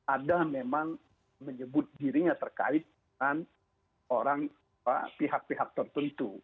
ada memang menyebut dirinya terkait dengan pihak pihak tertentu